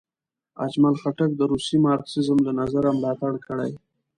اجمل خټک د روسي مارکسیزم له نظره ملاتړ کړی.